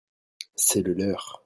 c'est le leur.